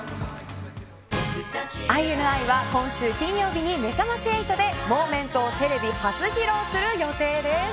ＩＮＩは今週金曜日にめざまし８でＭｏｍｅｎｔをテレビ初披露する予定です。